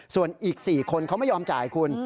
ส่วนอีก๔คนเขาไม่ยอมจ่ายคุณ